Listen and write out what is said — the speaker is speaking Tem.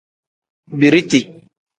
Biriti.